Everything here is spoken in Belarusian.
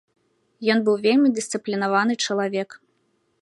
Ён быў вельмі дысцыплінаваны чалавек.